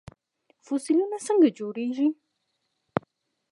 فوسیلونه څنګه جوړیږي؟